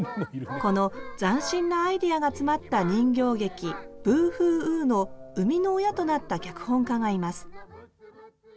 この斬新なアイデアが詰まった人形劇「ブーフーウー」の生みの親となった脚本家がいます